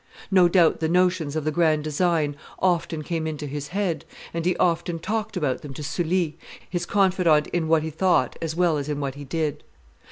No doubt the notions of the grand design often came into his head, and he often talked about them to Sully, his confidant in what he thought as well as in what he did.